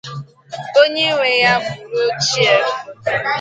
It is owned by RoadChef.